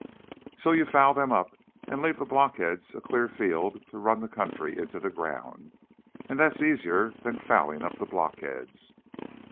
_ _So you foul them up, and leave the blockheads a clear field to run the country into the ground. And that's easier than fouling up the blockheads.